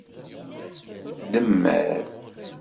Demmer.